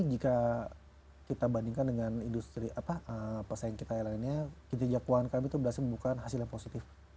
jika kita bandingkan dengan industri apa yang kita elaninnya kinerja keuangan kami itu berhasil membuka hasil yang positif